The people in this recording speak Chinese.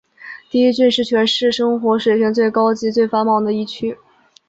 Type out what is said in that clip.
第一郡是全市生活水平最高及最繁忙的一区。